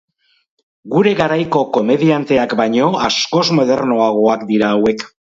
Gure garaiko komendianteak baino askoz modernoagoak dira hauek.